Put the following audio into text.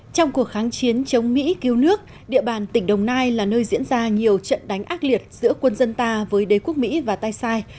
trong cuộc kháng chiến chống mỹ cứu nước địa bàn tỉnh đồng nai là nơi diễn ra nhiều trận đánh ác liệt giữa quân dân ta với đế quốc mỹ và tay sai